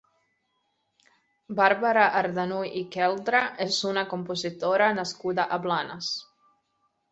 Bàrbara Ardanuy i Queldra és una compositora nascuda a Blanes.